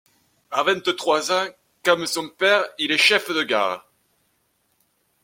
À vingt-trois ans, comme son père, il est chef de gare.